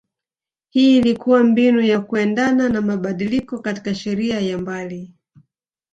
hii ilikua mbinu ya kuendana na mabadiliko katika sheria ya mbali